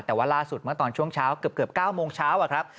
แต่ว่าล่าสุดเมื่อตอนช่วงเช้าเกือบ๙โมงเช้าอะครับ